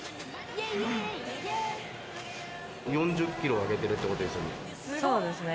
４０キロ、上げてるってことですよね。